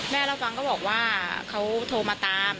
แม่ระวังบอกว่าเค้าโทรมาตาม